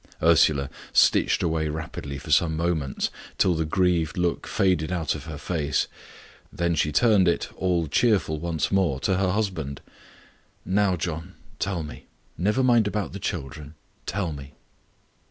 Ursula stitched away rapidly for some moments, till the grieved look faded out of her face; then she turned it, all cheerful once more, to her husband. "Now, John, tell me. Never mind about the children. Tell me."